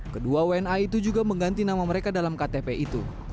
kedua wna itu juga mengganti nama mereka dalam ktp itu